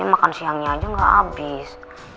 ini makan siangnya aja nggak abis